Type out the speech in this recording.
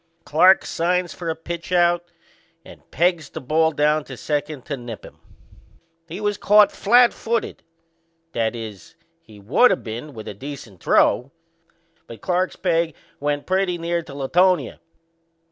Clarke signs for a pitch out and pegs down to second to nip him. He was caught flatfooted that is, he would of been with a decent throw; but Clarke's peg went pretty near to Latonia.